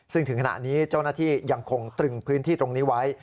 ซึ่งถึงขณะนี้เจ้าหน้าที่ยังคงตรึงพื้นที่ตรงนี้ไว้